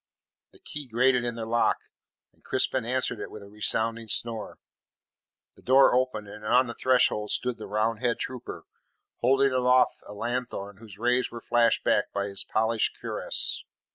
The key grated in the lock, and Crispin answered it with a resounding snore. The door opened, and on the threshold stood the Roundhead trooper, holding aloft a lanthorn whose rays were flashed back by his polished cuirass.